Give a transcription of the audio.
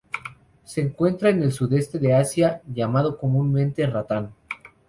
Se encuentra en el Sudeste de Asia, llamado comúnmente ratán.